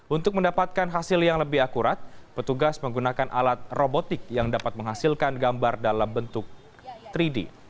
untuk mendapatkan hasil yang lebih akurat petugas menggunakan alat robotik yang dapat menghasilkan gambar dalam bentuk tiga d